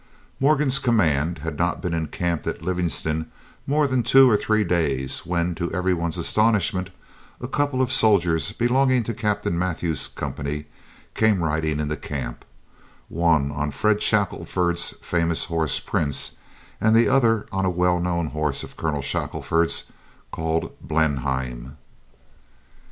Morgan's command had not been encamped at Livingston more than two or three days when, to every one's astonishment, a couple of soldiers belonging to Captain Mathews's company came riding into camp, one on Fred Shackelford's famous horse, Prince, and the other on a well known horse of Colonel Shackelford's, called Blenheim.